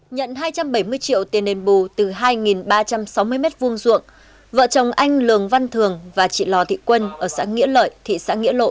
nhận hai trăm bảy mươi triệu tiền đền bù từ hai ba trăm sáu mươi m hai ruộng vợ chồng anh lường văn thường và chị lò thị quân ở xã nghĩa lợi thị xã nghĩa lộ